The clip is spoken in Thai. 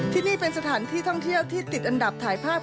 ที่นี่เป็นสถานที่ท่องเที่ยวที่ติดอันดับถ่ายภาพ